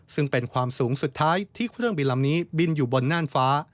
ซึ่งเป็นความสูงสุดท้ายที่เครื่องบินลำนี้บินอยู่บนน่านฟ้า